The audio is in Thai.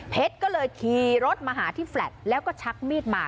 ก็เลยขี่รถมาหาที่แลตแล้วก็ชักมีดมา